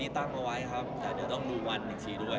ตั้งเอาไว้ครับแต่เดี๋ยวต้องดูวันอีกทีด้วย